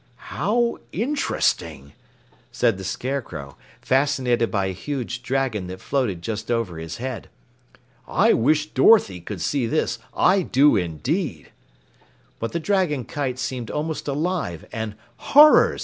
"How interesting," said the Scarecrow, fascinated by a huge dragon that floated just over his head. "I wish Dorothy could see this, I do indeed!" But the dragon kite seemed almost alive, and horrors!